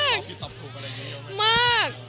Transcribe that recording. มากตอนนี้คุณคุยกันรู้สึกแบบตื่นเต้น